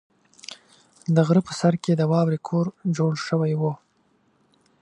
د غره په سر کې د واورې کور جوړ شوی و.